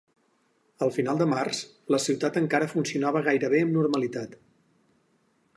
A final de març, la ciutat encara funcionava gairebé amb normalitat.